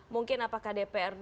mungkin apakah dprd